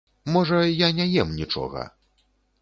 Можа, я не ем нічога!